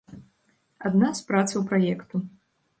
Адна з працаў праекту.